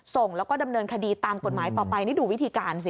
ส่งแล้วก็ดำเนินคดีตามกฎหมายต่อไปนี่ดูวิธีการสิ